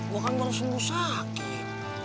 gue kan baru sembuh sakit